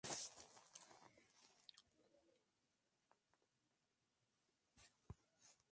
La obra de Mayer abarca más de cuarenta volúmenes.